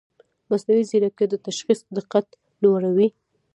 مصنوعي ځیرکتیا د تشخیص دقت لوړوي.